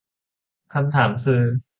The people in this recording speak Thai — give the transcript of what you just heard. คำถามคือ